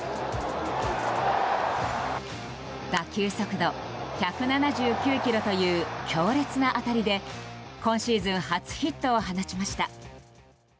打球速度１７９キロという強烈な当たりで今シーズン初ヒットを放ちました。